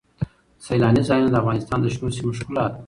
سیلاني ځایونه د افغانستان د شنو سیمو ښکلا ده.